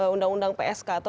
undang undang psk atau